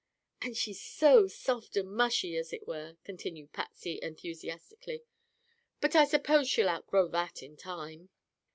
"And she's so soft and mushy, as it were," continued Patsy enthusiastically; "but I suppose she'll outgrow that, in time."